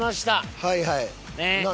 はいはい。